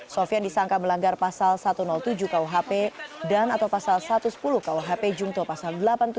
sofian disangka melanggar pasal satu ratus tujuh kuhp dan atau pasal satu ratus sepuluh kuhp jungto pasal delapan puluh tujuh